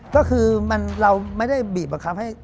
ก็คือเราไม่ได้บีบบังคับให้